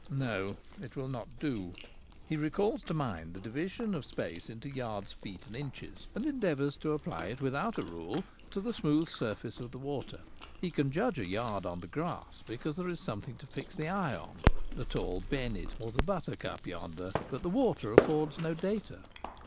No ; it will not do. He recalls to mind the division of space into yards, feet, and inches, and endeavours to apply it without a rule to the smooth surface of 90 The Gamekeeper at Home. the water. He can judge a yard on the grass, because there is something to fix the eye on — the tall bennet or the buttercup yonder; but the water affords no data.